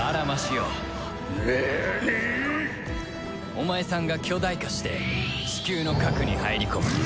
お前さんが巨大化してチキューの核に入り込む。